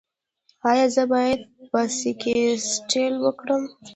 ایا زه باید باسکیټبال وکړم؟